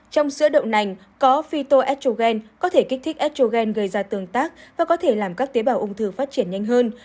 trong sữa đậu nành có fito edugen có thể kích thích estrogen gây ra tương tác và có thể làm các tế bào ung thư phát triển nhanh hơn